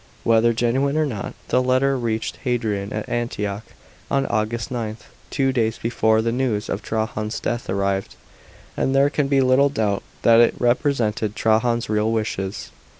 Whether genuine or not, the letter reached Hadrian at Antioch on August 9, two days before the news of Trajan's death arrived, and there can be little doubt that it represented Trajan's real wishes.